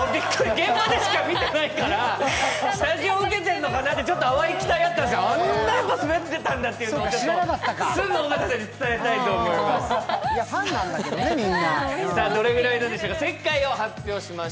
現場でしか見てないからスタジオはウケてるのかなって、あわい期待があったんですが、あんなに滑ってたんだっていうのは、尾形にすぐ伝えたいと思います。